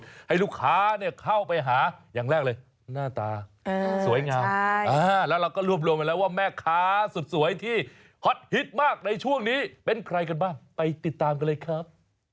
ให้ลูกค้าเนี่ยเข้าไปหาอย่างแรกเลยหน้าตาสวยงามแล้วเราก็รวบรวมไว้แล้วว่าแม่ค้าสุดสวยที่ฮอตฮิตมากในช่วงนี้เป็นใครกันบ้างไปติดตามกันเลยครับ